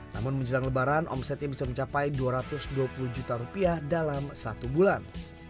namun menjelang lebaran omsetnya bisa mencapai dua ratus dua puluh juta rupiah dalam satu bulan